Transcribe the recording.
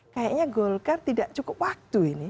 kayaknya golkar tidak cukup waktu ini